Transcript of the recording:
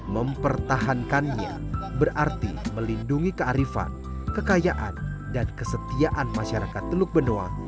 mempertahankannya berarti melindungi kearifan kekayaan dan kesetiaan masyarakat teluk benoa